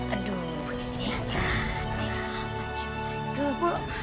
aduh ini apa sih